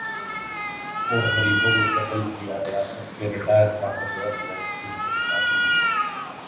اور غریبوں کو قتل کیا ریاست کے ریٹائر طاقتور لوگ جس کے ملازم ھیں